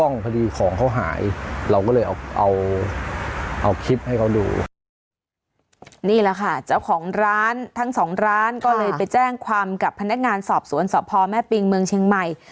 นี่แหละค่ะเจ้าของร้านทั้งสองร้านก็เลยไปแจ้งความกับพนักงานสอบสวนสพแม่ปิงเมืองเชียงใหม่